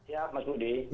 ya mas budi